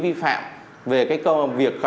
vi phạm về cái việc